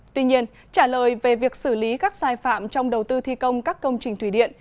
tuy nhiên trả lời về việc xử lý các sai phạm trong đầu tư thi công các công trình thủy điện